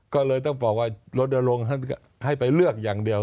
ก็เลยต้องบอกว่าลดลงให้ไปเลือกอย่างเดียว